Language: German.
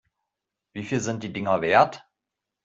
Wie viel sind die Dinger wert?